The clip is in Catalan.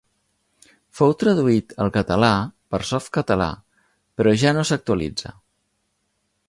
Fou traduït al català per Softcatalà, però ja no s'actualitza.